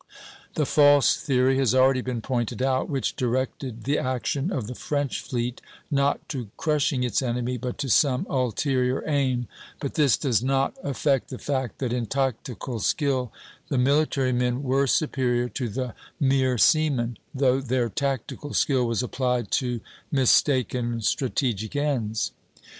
The false theory has already been pointed out, which directed the action of the French fleet not to crushing its enemy, but to some ulterior aim; but this does not affect the fact that in tactical skill the military men were superior to the mere seamen, though their tactical skill was applied to mistaken strategic ends.